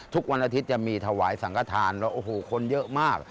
ทุกวันอาทิตย์จะมีถวายสังกฐานว่าโอ้โหคนเยอะมาก